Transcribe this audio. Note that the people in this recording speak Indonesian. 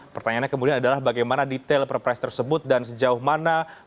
pertanyaannya kemudian adalah bagaimana detail perpres tersebut dan sejauh mana